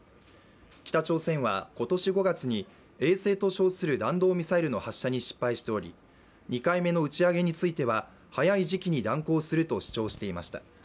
北朝鮮は今年５月に衛星と称する弾道ミサイルの発射に失敗しており、２回目の打ち上げについては早い時期に断行すると主張していました。